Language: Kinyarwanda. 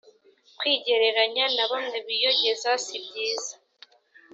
kwigereranya na bamwe biyogeza sibyiza